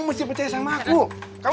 ini pasti lo juga lagi ya